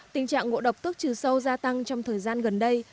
tình trạng ngộ độc thuốc trừ sâu gia tăng trong thời gian gần đây